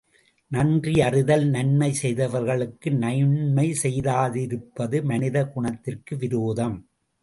நன்றியறிதல் நன்மை செய்தவர்க்கு நன்மை செய்யாதிருப்பது மனித குணத்திற்கு விரோதம்.